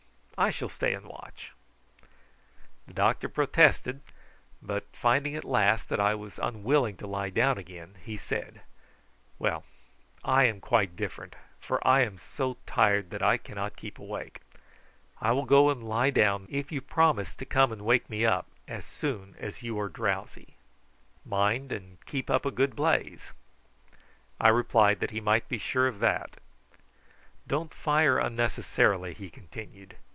I shall stay and watch." The doctor protested, but finding at last that I was unwilling to lie down again, he said: "Well, I am quite different, for I am so tired that I cannot keep awake. I will go and lie down then, if you promise to come and wake me as soon as you are drowsy. Mind and keep up a good blaze." I replied that he might be sure of that. "Don't fire unnecessarily," he continued.